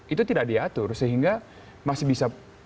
itu tidak diatur sehingga masih bisa